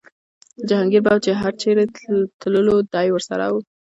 جهانګیر به چې هر چېرې تللو دی ورسره و.